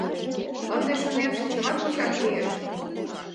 Ынде, шонем, шинчамат почаш лиеш.